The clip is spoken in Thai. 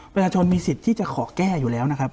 ประชาชนมีสิทธิ์ที่จะขอแก้อยู่แล้วนะครับ